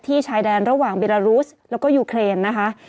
ชายแดนระหว่างบิรารุสแล้วก็ยูเครนนะคะ